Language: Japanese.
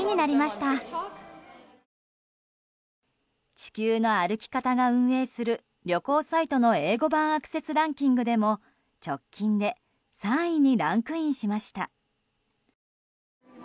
地球の歩き方が運営する旅行サイトの英語版アクセスランキングでも直近で３位にランクインしました。